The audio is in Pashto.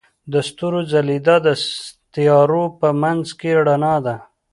د ستورو ځلیدا د تیارو په منځ کې رڼا ده.